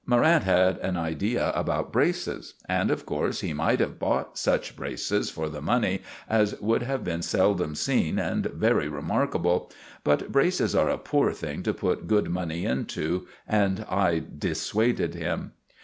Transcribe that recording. Morrant had an idea about braces, and of course he might have bought such braces for the money as would have been seldom seen and very remarkable; but braces are a poor thing to put good money into, and I dissuaded him.